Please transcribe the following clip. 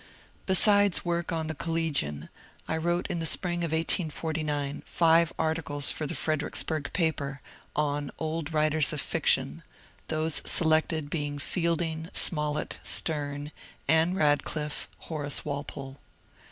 Besides work on " The Collegian," I wrote in the spring of 1849 five articles for the Fredericksburg paper, on "Old Writers of Fiction," — those selected being Fielding, Smollett, Sterne, Ann Radcliffe, Horace Walpole.